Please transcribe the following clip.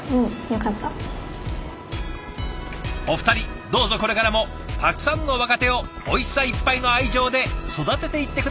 お二人どうぞこれからもたくさんの若手をおいしさいっぱいの愛情で育てていって下さいね！